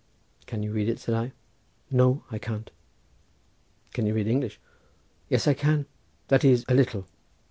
"Can you read it?" said I. "No, I can't." "Can you read English?" "Yes, I can; that is, a little."